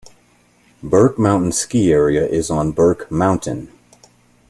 Burke Mountain Ski Area is on Burke Mountain.